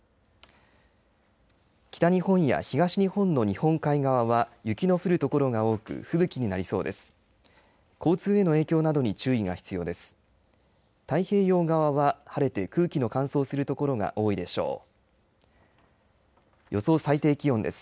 北日本や東日本の日本海側は雪の降る所が多く、ふぶきになりそうです。